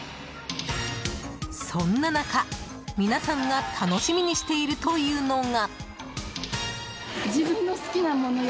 そんな中、皆さんが楽しみにしているというのが。